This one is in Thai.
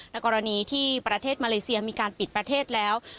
กรณีที่ประเทศมาเลเซียมีการปิดประเทศแล้ว